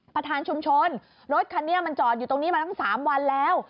ประธานชุมชนรถคันนี้มันจอดอยู่ตรงนี้มาตั้ง๓วันแล้ว